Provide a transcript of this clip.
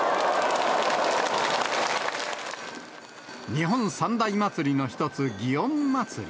日本三大祭りの一つ、祇園祭。